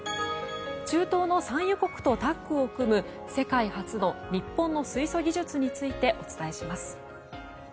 中東の産油国とタッグを組む世界初の日本の水素技術についてお伝えします。